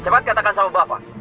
cepat katakan sama bapak